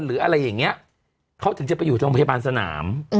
หรืออะไรอย่างนี้เขาถึงจะไปอยู่โรงพยาบาลสนาม